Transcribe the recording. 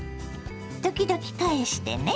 時々返してね。